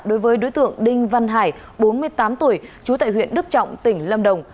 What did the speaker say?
đối với đối tượng đinh văn hải bốn mươi tám tuổi trú tại huyện đức trọng tỉnh lâm đồng